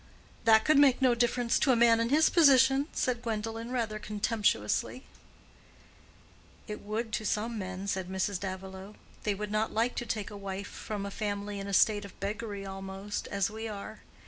"That could make no difference to a man in his position," said Gwendolen, rather contemptuously, "It would to some men," said Mrs. Davilow. "They would not like to take a wife from a family in a state of beggary almost, as we are.